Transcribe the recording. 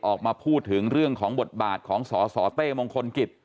ออกมาพูดถึงเรื่องของบทบาทของสสเต้มงคลกิจ